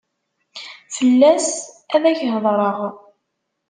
Fell-as ad ak-hedreɣ.